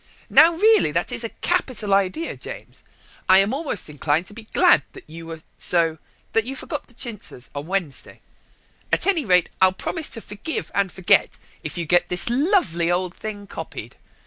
"Now, really, that is a capital idea, James. I am almost inclined to be glad that you were so that you forgot the chintzes on Monday. At any rate, I'll promise to forgive and forget if you get this lovely old thing copied.